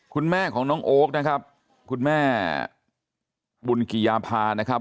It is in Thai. คุณแม่ของน้องโอ๊คนะครับคุณแม่บุญกิยาพานะครับ